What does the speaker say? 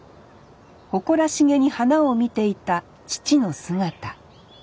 誇らしげに花を見ていた父の姿。